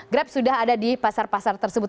grab sudah ada di pasar pasar tersebut